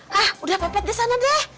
hah udah kompet di sana deh